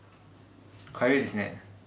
かゆいですね。